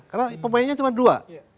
karena pemainnya cuma dua